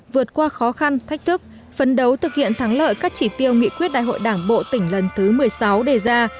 vượt qua khó khăn thách thức phấn đấu thực hiện thắng lợi các chỉ tiêu nghị quyết đại hội đảng bộ tỉnh lần thứ một mươi sáu đề ra